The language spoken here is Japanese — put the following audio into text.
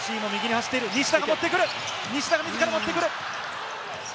西田が持ってくる！